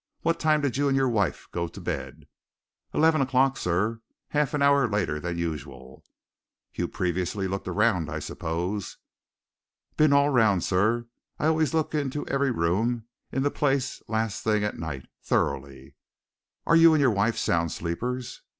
What time did you and your wife go to bed?" "Eleven o'clock, sir half an hour later than usual." "You'd previously looked round, I suppose?" "Been all round, sir I always look into every room in the place last thing at night thoroughly." "Are you and your wife sound sleepers?"